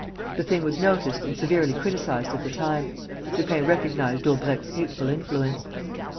The thing was noticed and severely criticised at the time. Lupin recognized Daubrecq's hateful influence.